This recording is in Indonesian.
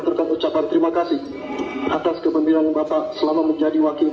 saya ucapkan terima kasih atas dukungan dan juga tentu pengampunan anda